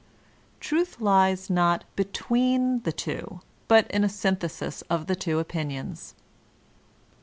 Truth lies not "between the two/' but in a synthesis of the two opinions.